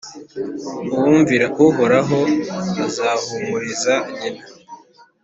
uwumvira Uhoraho azahumuriza nyina